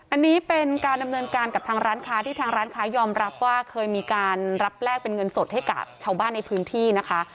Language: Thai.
อันนี้เป็นการดำเนินการกับทางร้านค้าที่ทางร้านค้ายอมรับว่าเคยมีการรับแลกเป็นเงินสดให้กับชาวบ้านในพื้นที่นะคะ